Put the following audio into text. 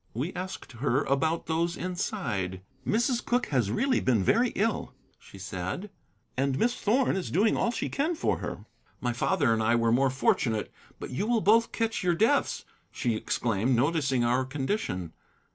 We asked her about those inside. "Mrs. Cooke has really been very ill," she said, "and Miss Thorn is doing all she can for her. My father and I were more fortunate. But you will both catch your deaths," she exclaimed, noticing our condition.